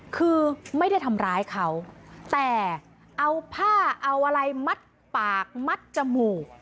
คือไม่ได้ทำร้ายเขาแต่เอาผ้าเอาอะไรมัดปากมัดจมูก